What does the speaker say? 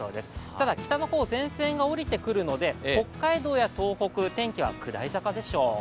ただ北の方、前線が下りてくるので、北海道や東北、天気は下り坂でしょう。